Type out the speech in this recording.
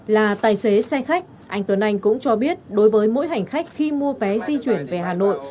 là tài xế xe khách anh tuấn anh cũng cho biết đối với mỗi hành khách khi mua vé di chuyển về hà nội